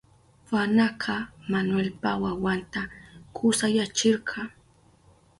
Juanaka Manuelpa wawanta kusayachirka.